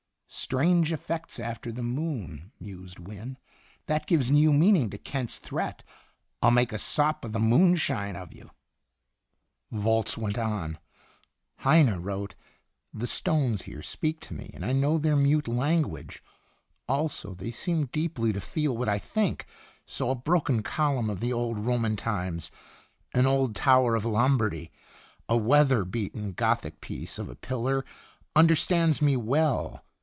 ''"* Strange effects after the moon,' " mused Wynne. " That gives new meaning to Kent's Qln Itinerant fonse. n threat: * I'll make a sop o' the moonshine of you!'" Volz went on :" Heine wrote : ''The stones here speak to me, and I know their mute lan guage. Also, they seem deeply to feel what I think. So a broken column of the old Roman times, an old tower of Lombardy, a weather beaten Gothic piece of a pillar understands me well.